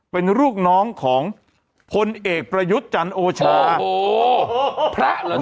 เป็นลูกน้องของพลเอกประยุทธ์จันโอชาโอ้โหพระเหรอ